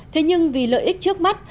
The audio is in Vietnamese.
thế nhưng vì lợi ích trước mắt